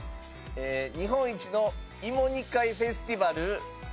日本一の芋煮会フェスティバル。